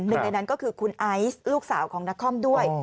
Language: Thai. หนึ่งในนั้นก็คือคุณไอซ์ลูกสาวของนครด้วย